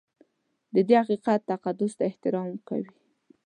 د دې حقیقت تقدس ته احترام کوي.